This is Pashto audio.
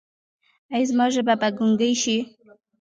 ایا زما ژبه به ګونګۍ شي؟